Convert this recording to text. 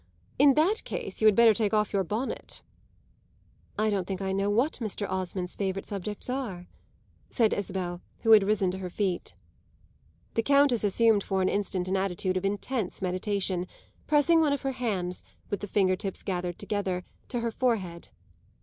In that case you had better take off your bonnet." "I don't think I know what Mr. Osmond's favourite subjects are," said Isabel, who had risen to her feet. The Countess assumed for an instant an attitude of intense meditation, pressing one of her hands, with the finger tips gathered together, to her forehead.